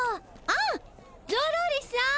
あっ。